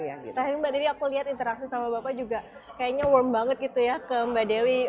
yang terima jadi aku lihat interaksi sama bapak juga kayaknya warm banget gitu ya ke mbak dewi